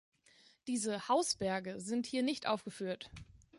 Diese "Hausberge" sind hier nicht aufgeführt.